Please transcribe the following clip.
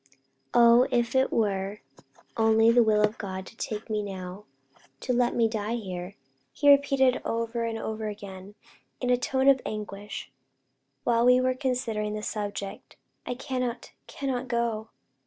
"Oh, if it were only the will of God to take me now to let me die here!" he repeated over and over again, in a tone of anguish, while we where considering the subject. "I cannot, cannot go!